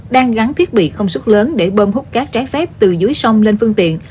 đang gắn thiết bị không sức lớn để bơm hút cát trái phép từ dưới sông lên phương tiện